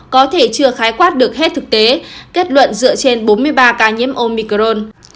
có thể chưa khái quát được hết thực tế kết luận dựa trên bốn mươi ba ca nhiễm omicron